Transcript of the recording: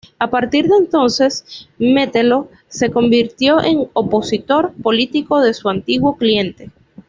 A partir de entonces, Metelo se convirtió en opositor político de su antiguo cliente.